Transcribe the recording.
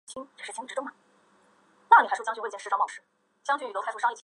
历任汉军巡城理事官。